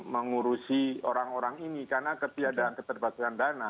mengurusi orang orang ini karena ketika ada keterbatasan dana